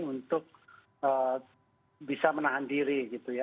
untuk bisa menahan diri